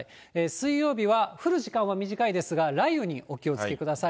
水曜日は降る時間は短いですが、雷雨にお気をつけください。